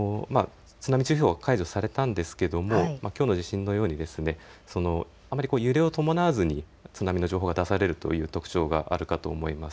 津波注意報は解除されたんですけれどもきょうの地震のようにあまり揺れを伴わずに津波の情報が出されるという特徴があるかと思います。